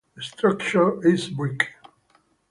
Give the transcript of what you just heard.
The structure is brick.